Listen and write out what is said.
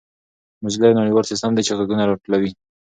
موزیلا یو نړیوال سیسټم دی چې ږغونه راټولوي.